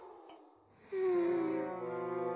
うん。